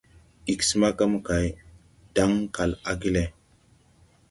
Ig smaga mokay, Ɗaŋ kal age le.